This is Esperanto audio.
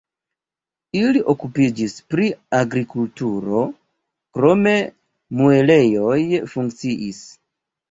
Ili okupiĝis pri agrikulturo, krome muelejoj funkciis.